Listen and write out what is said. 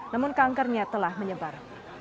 namun kankernya telah menyebar